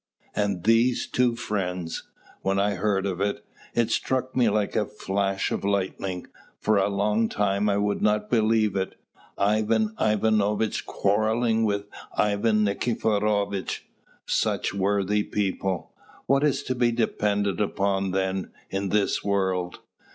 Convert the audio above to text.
And these two friends! When I heard of it, it struck me like a flash of lightning. For a long time I would not believe it. Ivan Ivanovitch quarrelling with Ivan Nikiforovitch! Such worthy people! What is to be depended upon, then, in this world?